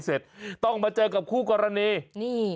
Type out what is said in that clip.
เสร็จต้องมาเจอกับคู่กรณีนี่